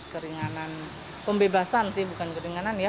keringanan pembebasan sih bukan keringanan ya